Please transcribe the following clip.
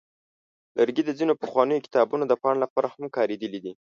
لرګي د ځینو پخوانیو کتابونو د پاڼو لپاره هم کارېدلي دي.